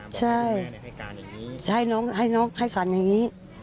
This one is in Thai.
ใช่ให้น้องให้การอย่างนี้